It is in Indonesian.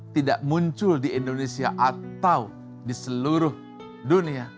tidak muncul di indonesia atau di seluruh dunia